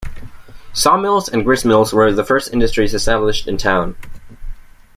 Saw mills and gristmills were the first industries established in town.